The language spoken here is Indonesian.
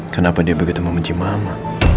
kenapa dia begitu membenci mama